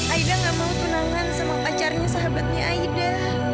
aida gak mau kenangan sama pacarnya sahabatnya aida